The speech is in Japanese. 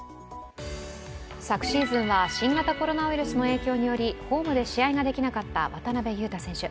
昨シーズンは新型コロナウイルスの影響により、ホームで試合ができなかった渡邊雄太選手